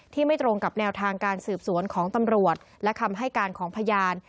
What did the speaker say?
ไม่ตรงกับแนวทางการสืบสวนของตำรวจและคำให้การของพยาน